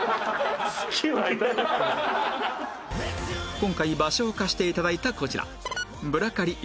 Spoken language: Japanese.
今回場所を貸して頂いたこちら